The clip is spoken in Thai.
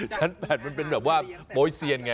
ชั้น๘เป็นประมาณว่าโป๊ยเซียนไง